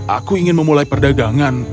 aku ingin memulai perdagangan